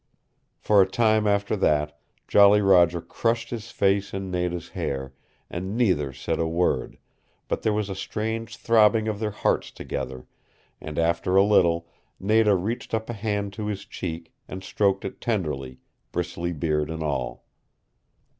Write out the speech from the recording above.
For a time after that Jolly Roger crushed his face in Nada's hair, and neither said a word, but there was a strange throbbing of their hearts together, and after a little Nada reached up a hand to his cheek, and stroked it tenderly, bristly beard and all.